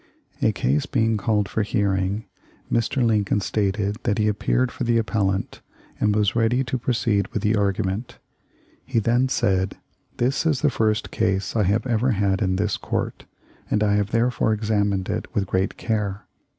"A case being called for hearing, Mr. Lincoln stated that he appeared for the appel lant and was ready to proceed with the argument. He then said : 'This is the first case I have ever had in this court, and I have therefore examined it with great care.